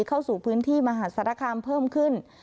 เข้าสู่พื้นที่มหาสารคามเพิ่มขึ้น